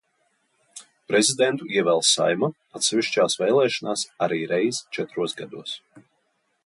Prezidentu ievēl Saeima atsevišķās vēlēšanās arī reizi četros gados.